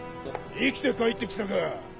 生きて帰ってきたか。